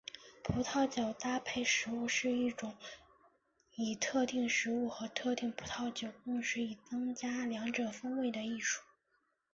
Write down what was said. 葡萄酒搭配食物是一种以特定食物和特定葡萄酒共食以增加两者风味的艺术。